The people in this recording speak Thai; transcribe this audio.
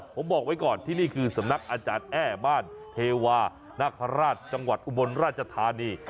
ผมบอกไว้ก่อนที่นี่คือสำนักอาจารย์แอ้บ้านเทวานคราชจังหวัดอุบลราชธานี